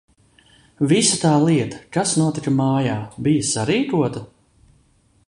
Visa tā lieta, kas notika mājā, bija sarīkota?